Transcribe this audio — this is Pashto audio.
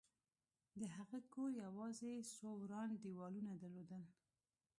د هغه کور یوازې څو وران دېوالونه درلودل